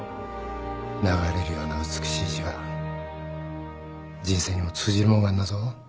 流れるような美しい字は人生にも通じるもんがあんだぞ